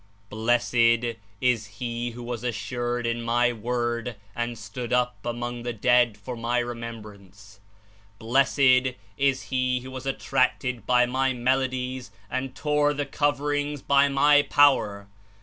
"Blessed is he who was assured In My Word, and stood up among the dead for My Remembrance!" "Blessed Is he who was attracted by My Melodies and tore the coverings by My Power!"